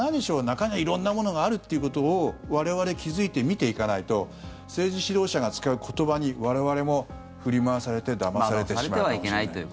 中には色んなものがあるということを我々、気付いて見ていかないと政治指導者が使う言葉に我々も振り回されてだまされてしまうかもしれない。